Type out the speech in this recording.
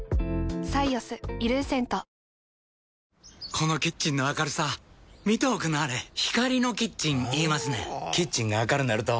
このキッチンの明るさ見ておくんなはれ光のキッチン言いますねんほぉキッチンが明るなると・・・